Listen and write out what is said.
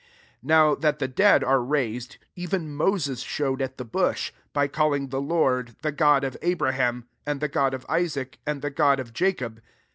3f " Now that the dead are raised, even Moses showed at the bush, by calling the Lord, the God of Abraham, and the God of Isaac, and the God of Jacob.